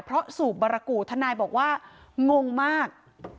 เพราะสูบบารกูทนายบอกว่างงมาก